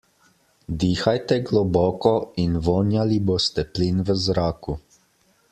Dihajte globoko in vonjali boste plin v zraku.